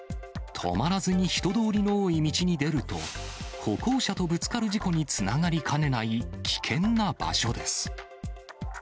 止まらずに人通りの多い道に出ると、歩行者とぶつかる事故につながりかねない危険な場所です。